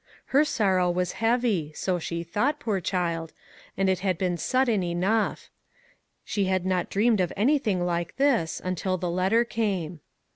Her sorrow was heavy ; so she thought, poor child, and it had been sudden enough ; she had not dreamed of anything like this, until the letter came.